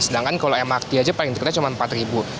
sedangkan kalau mrt aja paling dekatnya cuma rp empat